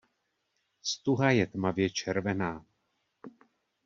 Stuha je tmavě červená.